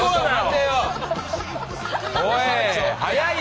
おい！